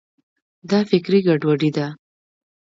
دا فکري ګډوډي ده.